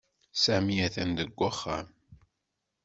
Sami atan deg uxxam.